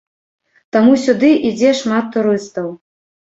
Таму сюды ідзе шмат турыстаў.